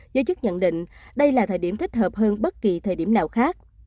giới chức nhận định đây là thời điểm thích hợp hơn bất kỳ thời điểm nào khác